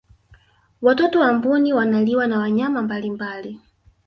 watoto wa mbuni wanaliwa na wanyama mbalimbali